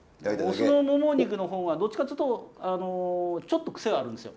雄のもも肉の方がどっちかっつうとちょっと癖があるんですよ。